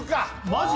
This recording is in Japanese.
マジ？